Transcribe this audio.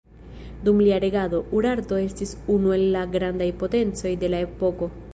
Dum lia regado, Urarto estis unu el la grandaj potencoj de la epoko.